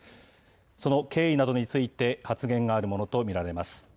その経緯などについて、発言があるものと見られます。